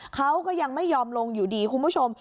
เขาก็ยังไม่ยอมลงอยู่ดีคุณผู้ชม